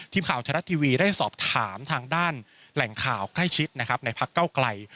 ทีมข่าวธนาทีวีได้สอบถามทางด้านแหล่งข่าวกล้ายชิดในพักเก้าไกล